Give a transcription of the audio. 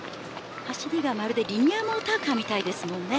走りがまるでリニアモーターカーみたいですもんね。